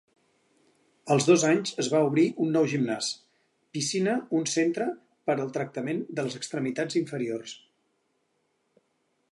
Als dos anys es va obrir un nou gimnàs, piscina un centre per al tractament de les extremitats inferiors.